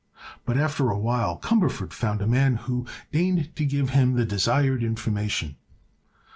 But after a while Cumberford found a man who deigned to give him the desired information.